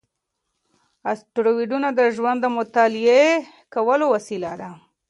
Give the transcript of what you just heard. اسټروېډونه د ژوند د مطالعه کولو وسیله دي.